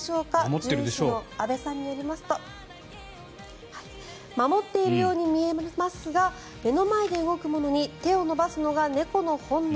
獣医師の阿部さんによりますと守っているように見えますが目の前で動くものに手を伸ばすのが猫の本能。